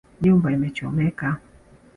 Nyumba imechomeka